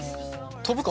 飛ぶかな？